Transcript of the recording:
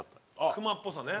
クマっぽさね。